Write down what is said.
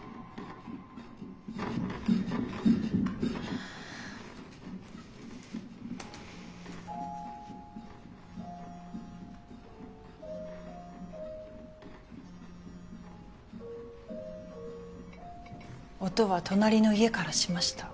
はぁ音は隣の家からしました。